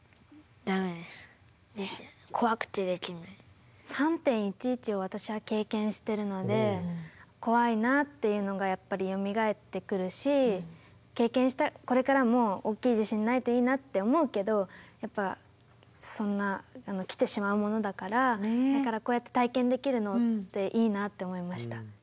ダメです３．１１を私は経験してるので怖いなっていうのがやっぱりよみがえってくるし経験したこれからも大きい地震ないといいなって思うけどやっぱそんな来てしまうものだからだからこうやって体験できるのっていいなって思いました。